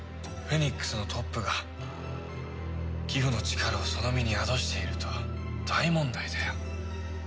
フェニックスのトップがギフの力をその身に宿しているとは大問題だよ。